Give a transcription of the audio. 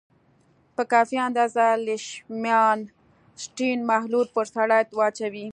په کافي اندازه لیشمان سټین محلول پر سلایډ واچوئ.